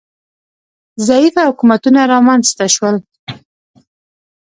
ضعیفه حکومتونه رامنځ ته شول